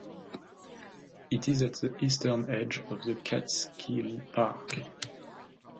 It is at the eastern edge of the Catskill Park.